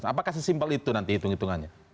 apakah sesimpel itu nanti hitung hitungannya